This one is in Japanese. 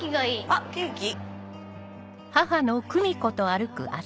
あっケーキ。